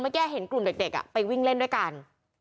เมื่อกี้เห็นกลุ่มเด็กไปวิ่งเล่นด้วยกัน